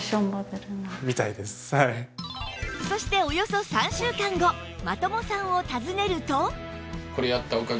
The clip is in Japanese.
そしておよそ３週間後真友さんを訪ねると